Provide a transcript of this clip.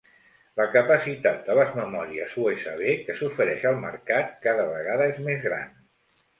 La capacitat de les memòries USB que s'ofereix al mercat cada vegada és més gran.